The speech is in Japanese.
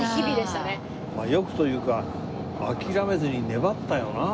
よくというか諦めずに粘ったよな。